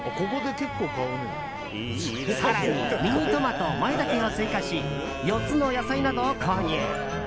更にミニトマト、マイタケを追加し４つの野菜などを購入。